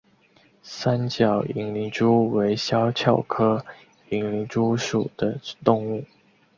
三角银鳞蛛为肖鞘科银鳞蛛属的动物。